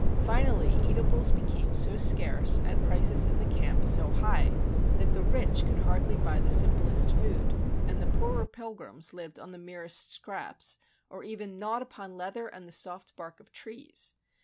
Finally eatables became so scarce and prices in the camp so high that the rich could hardly buy the simplest food, and the poorer pilgrims lived on the merest scraps or even gnawed upon leather and the soft bark of trees.